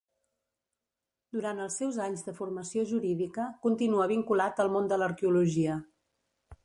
Durant els seus anys de formació jurídica, continua vinculat al món de l'arqueologia.